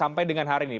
sampai dengan hari ini